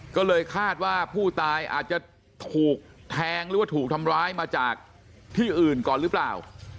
ก็เลยคาดว่าผู้ตายอาจจะถูกแทงหรือว่าถูกทำร้ายมาจากที่อื่นก่อนหรือเปล่า